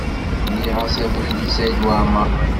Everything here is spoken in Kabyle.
Mliɣ-as abrid i Saɛid Waɛmaṛ.